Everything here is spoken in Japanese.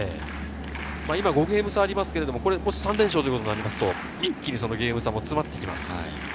今、５ゲーム差がありますけど３連勝となりますと、一気にゲーム差も詰まってきます。